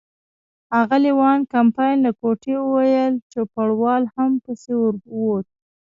اغلې وان کمپن له کوټې ووتل، چوپړوال هم پسې ور ووت.